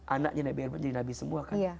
anaknya nabi ibrahim menjadi nabi semua kan